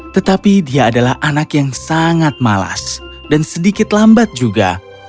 tetapi dia adalah anak yang sangat malas dan sedikit lambat juga